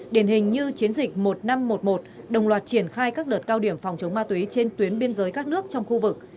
điển hình như chiến dịch một nghìn năm trăm một mươi một đồng loạt triển khai các đợt cao điểm phòng chống ma túy trên tuyến biên giới các nước trong khu vực